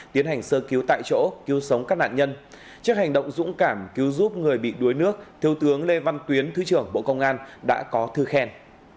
tiến hành sơ cứu tại chỗ cứu sống các nạn nhân trước hành động dũng cảm cứu giúp người bị đuối nước thiếu tướng lê văn tuyến thứ trưởng bộ công an đã có thư khen